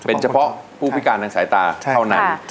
เป็นเฉพาะผู้พิการทางสายตาเท่านั้น